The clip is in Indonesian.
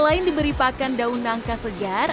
selain diberi pakan daun nangka segar